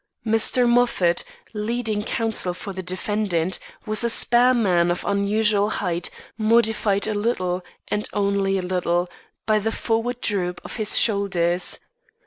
Mr. Moffat, leading counsel for the defendant, was a spare man of unusual height, modified a little, and only a little, by the forward droop of his shoulders.